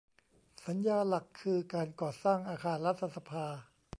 สัญญาหลักคือการก่อสร้างอาคารรัฐสภา